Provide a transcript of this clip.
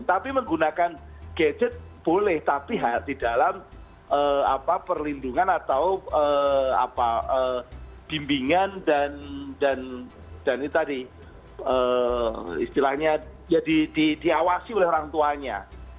tapi menggunakan gadget boleh tapi di dalam perlindungan atau bimbingan dan ini tadi istilahnya ya diawasi oleh orang tuanya